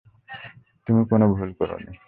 তুমি কোনো ভুল করো নি।